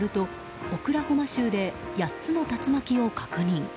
現地のメディアによるとオクラホマ州で８つの竜巻を確認。